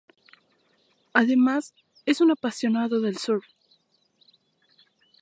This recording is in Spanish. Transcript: Además, es un apasionado de surf.